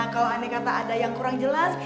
kalau andai kata ada yang kurang jelas